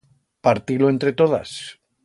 Parti-lo entre todas!